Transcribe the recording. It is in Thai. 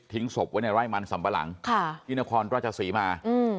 ทิ้งศพไว้ในไร่มันสำปะหลังค่ะที่นครราชสีมาอืม